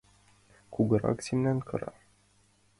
Кугырак семын кыра.